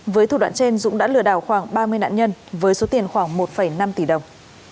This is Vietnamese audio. với thủ đoạn trên dũng đã lừa đảo khoảng ba mươi nạn nhân với số tiền khoảng một năm tỷ đồng